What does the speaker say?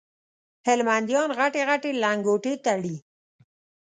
هلمنديان غټي غټي لنګوټې تړي